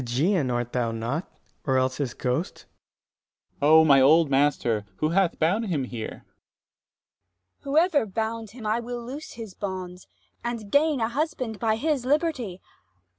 335 Ant. S. Ægeon art thou not? or else his ghost? Dro. S. O, my old master! who hath bound him here? Abb. Whoever bound him, I will loose his bonds, And gain a husband by his liberty.